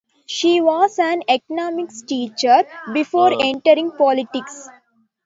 She was an Economics teacher before entering politics.